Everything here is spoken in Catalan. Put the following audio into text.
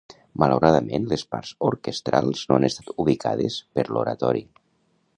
Malauradament, les parts orquestrals no han estat ubicades per l'oratori.